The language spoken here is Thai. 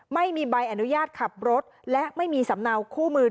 ไม่มีใบอนุญาตขับรถและไม่มีสำเนาคู่มือ